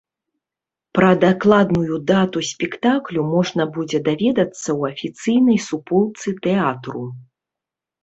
Пра дакладную дату спектаклю можна будзе даведацца ў афіцыйнай суполцы тэатру.